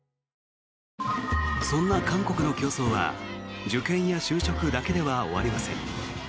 そんな韓国の競争は受験や就職だけでは終わりません。